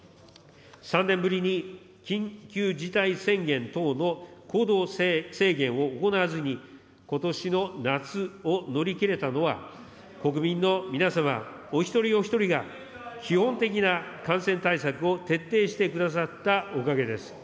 ３年ぶりに、緊急事態宣言等の行動制限を行わずに、ことしの夏を乗り切れたのは、国民の皆様お一人お一人が、基本的な感染対策を徹底してくださったおかげです。